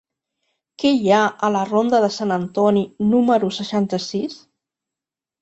Què hi ha a la ronda de Sant Antoni número seixanta-sis?